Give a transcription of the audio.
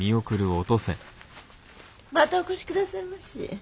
またお越し下さいまし。